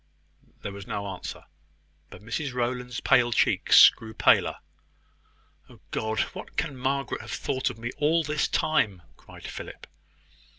There was no answer; but Mrs Rowland's pale cheeks grew paler. "Oh God! what can Margaret have thought of me all this time?" cried Philip.